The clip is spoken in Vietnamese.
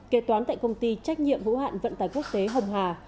kê toán tại công ty trách nhiệm hữu hạn vận tài quốc tế hồng hà